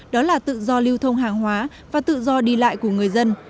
đó là tự do lưu thông hàng hóa và tự do đi lại của người dân